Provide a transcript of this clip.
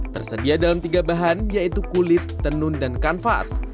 tersedia dalam tiga bahan yaitu kulit tenun dan kanvas